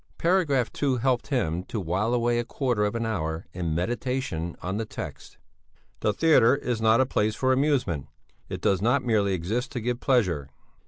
Paragraph 2 helped him to while away a quarter of an hour in meditation on the text: "The theatre is not a place for amusement; it does not merely exist to give pleasure."